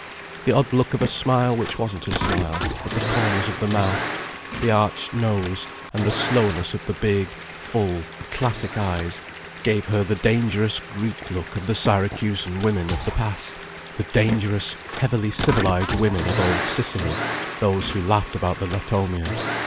The odd look of a smile which wasn't a smile, at the corners of the mouth, the arched nose, and the slowness of the big, full, classic eyes gave her the dangerous Greek look of the Syracusan women of the past: the dangerous, heavily civilized women of old Sicily: those who laughed about the latomia.